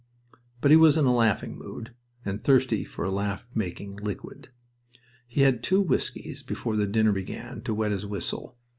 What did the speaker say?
But he was in a laughing mood, and thirsty for laughter making liquid. He had two whiskies before the dinner began to wet his whistle.